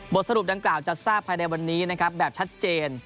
สรุปดังกล่าวจะทราบภายในวันนี้นะครับแบบชัดเจน